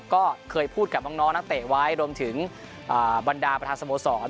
ก็เคยพูดกับน้องนักเตะไว้รวมถึงบรรดาประธานสโมสร